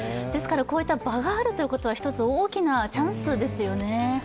こういった場があるということは１つ大きなチャンスですよね。